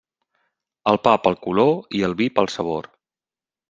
El pa pel color i el vi pel sabor.